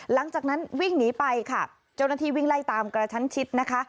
หลังจากนั้นวิ่งหนีไปค่ะเจ้าหน้าที่วิ่งไล่ตามกระชั้นชิดนะคะ